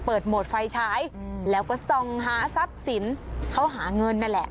โหมดไฟฉายแล้วก็ส่องหาทรัพย์สินเขาหาเงินนั่นแหละ